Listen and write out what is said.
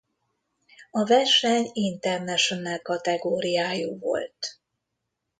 A verseny International kategóriájú volt.